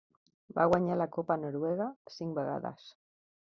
Va guanyar la copa noruega cinc vegades.